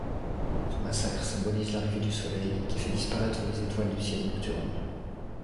Ce massacre symbolise l'arrivée du Soleil qui fait disparaître les étoiles du ciel nocturne.